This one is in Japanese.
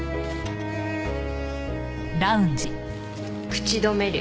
口止め料